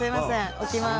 起きます。